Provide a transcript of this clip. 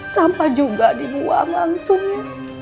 sampah juga dibuang langsung